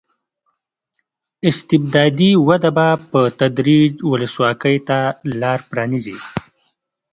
استبدادي وده به په تدریج ولسواکۍ ته لار پرانېزي.